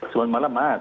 selamat malam mas